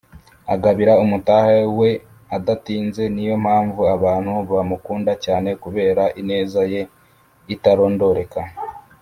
agabira umutahe we adatinze Ni yo mpamvu abantu bamukunda cyane kubera ineza ye itarondoreka